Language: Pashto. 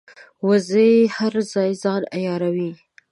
وزې هر ځای ځان عیاروي